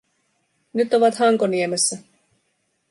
Nyt ovat Hankoniemessä.